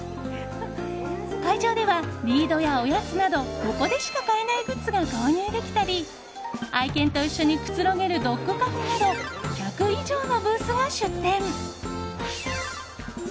会場では、リードやおやつなどここでしか買えないグッズが購入できたり愛犬と一緒にくつろげるドッグカフェなど１００以上のブースが出店。